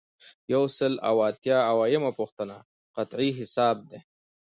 یو سل او اته اویایمه پوښتنه قطعیه حساب دی.